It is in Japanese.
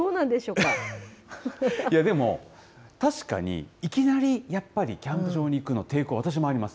いやでも、確かにいきなりやっぱり、キャンプ場に行くの、抵抗、私もあります。